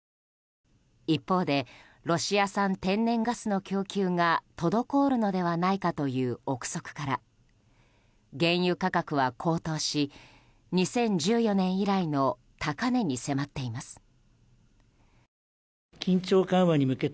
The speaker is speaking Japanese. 一方でロシア産天然ガスの供給が滞るのではないかという憶測から原油価格は高騰し２０１４年以来の高値に迫っています。